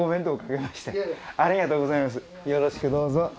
よろしくどうぞ。